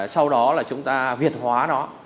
sau đó là chúng ta việt hóa nó